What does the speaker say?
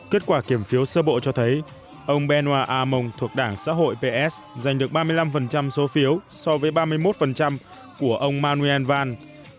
kết quả kiểm phiếu sơ bộ cho thấy ông benoit aymon thuộc đảng xã hội ps giành được ba mươi năm số phiếu so với ba mươi một của ông manuel vance